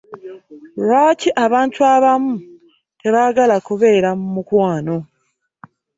Lwaki abantu abamu tebagala kubeera mu mukwano?